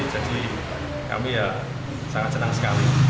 jadi kami ya sangat senang sekali